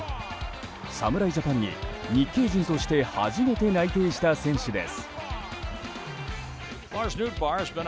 侍ジャパンに日系人として初めて内定した選手です。